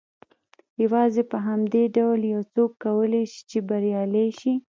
يوازې په همدې ډول يو څوک کولای شي چې بريالی شي.